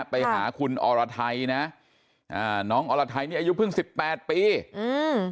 ไปหาคุณอรไทยนะอ่าน้องอรไทยนี่อายุเพิ่งสิบแปดปีอืม